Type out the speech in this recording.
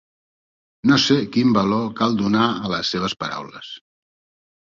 No sé quin valor cal donar a les seves paraules.